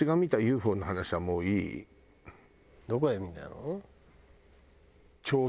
どこで見たの？